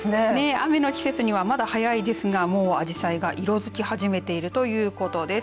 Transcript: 雨の季節にはまだ早いですがもうあじさいが色づき始めているということです。